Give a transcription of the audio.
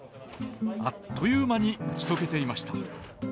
あっという間に打ち解けていました。